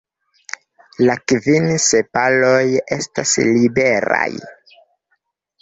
La kvin sepaloj estas liberaj.